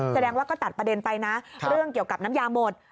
แสดงว่าก็ตัดประเด็นไปนะเรื่องเกี่ยวกับน้ำยาหมด